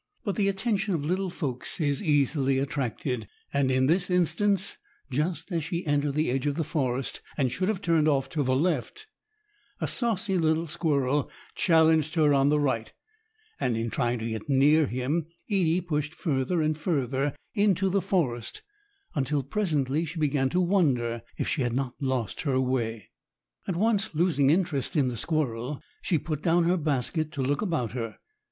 But the attention of little folks is easily attracted, and in this instance, just as she entered the edge of the forest, and should have turned off to the left, a saucy little squirrel challenged her on the right, and in trying to get near him Edie pushed further and further into the forest, until presently she began to wonder if she had not lost her way. At once losing interest in the squirrel, she put down her basket to look about her.